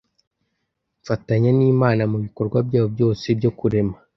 Mfatanya n’Imana mu bikorwa byayo byose byo kurema